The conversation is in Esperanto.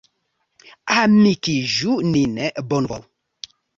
Amikiĝu nin, bonvolu!